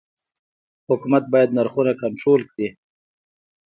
حکومت باید نرخونه کنټرول کړي؟